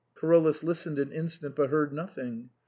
Carolus listened an instant, but heard nothing.